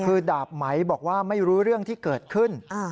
คือดาบไหมบอกว่าไม่รู้เรื่องที่เกิดขึ้น